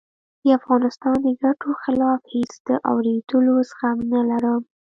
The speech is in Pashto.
د افغانستان د ګټو خلاف هېڅ د آورېدلو زغم نه لرم